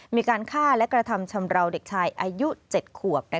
มีการฆ่าและกระทำชำราวเด็กชายอายุ๗ขวบ